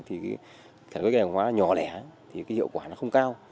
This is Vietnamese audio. thì sản xuất cây hàng hóa nhỏ lẻ thì hiệu quả nó không cao